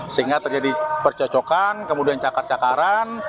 sehingga terjadi percocokan kemudian cakar cakaran